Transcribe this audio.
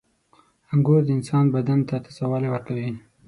• انګور د انسان بدن ته تازهوالی ورکوي.